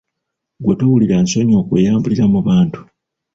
Gwe towulira nsonyi okweyambulira mu bantu?